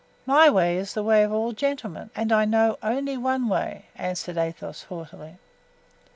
"My way is the way of all gentlemen, and I know only one way," answered Athos, haughtily.